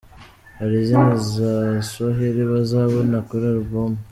Hari izindi za Swahili bazabona kuri album.